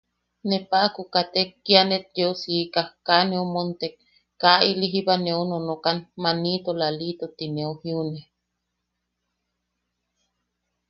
Ne paʼaku katek kia net yeu siika, kaa neu montek, kaʼali jiba neu nonokan, manito Lalito ti neu jiune.